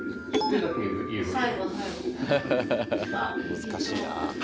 難しいなぁ。